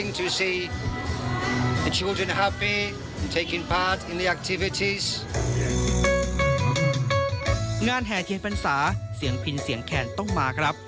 แห่เทียนพรรษาเสียงพินเสียงแคนต้องมาครับ